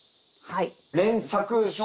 はい。